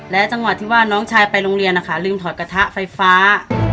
จังหวะที่ว่าน้องชายไปโรงเรียนนะคะลืมถอดกระทะไฟฟ้า